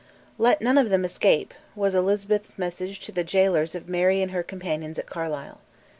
"Let none of them escape" was Elizabeth's message to the gaolers of Mary and her companions at Carlisle.